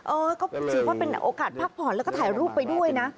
เออก็ถือว่าเป็นโอกาสพักผ่อนแล้วก็ถ่ายรูปไปด้วยนะ